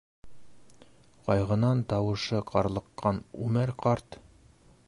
Ҡайғынан тауышы ҡарлыҡҡан Үмәр ҡарт: